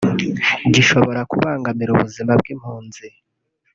gishobora kubangamira ubuzima bw’impunzi